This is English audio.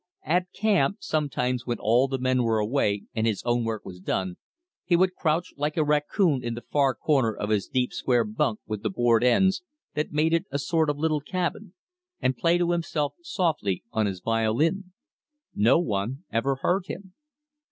At camp sometimes when all the men were away and his own work was done, he would crouch like a raccoon in the far corner of his deep square bunk with the board ends that made of it a sort of little cabin, and play to himself softly on his violin. No one ever heard him.